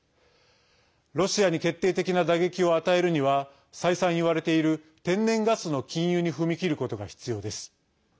ロシアに決定的な打撃を与えるには再三、言われている天然ガスの禁輸に踏み切ることが必要です。